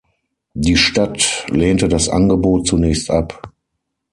Die Stadt lehnte das Angebot zunächst ab.